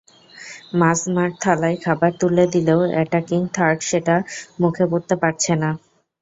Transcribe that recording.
মাঝমাঠ থালায় খাবার তুলে দিলেও অ্যাটাকিং থার্ড সেটা মুখে পুরতে পারছে না।